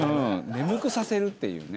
眠くさせるっていうね。